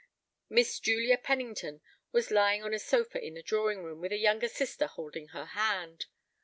Miss Julia Pennington was lying on a sofa in the drawing room with a younger sister holding her hand.